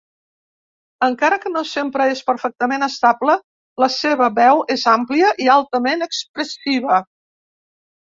Encara que no sempre és perfectament estable, la seva veu és àmplia i altament expressiva.